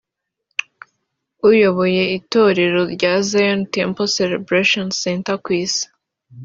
uyoboye itorero rya Zion Temple Celebration Centre ku isi